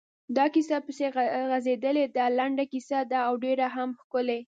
دا کیسه پسې غځېدلې ده، لنډه کیسه ده او ډېره هم ښکلې…